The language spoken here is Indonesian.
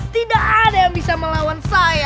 tidak ada yang bisa melawan saya